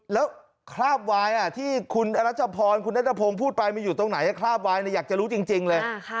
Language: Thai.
แล้วคราบวายที่คุณอรัชพรคุณนัทพงศ์พูดไปมันอยู่ตรงไหนคราบวายอยากจะรู้จริงเลย